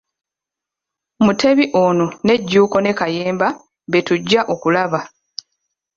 Mutebi ono ne Jjuuko ne Kayemba be tujja okulaba.